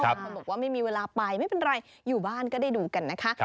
คนบอกว่าไม่มีเวลาไปไม่เป็นไรอยู่บ้านก็ได้ดูกันนะคะ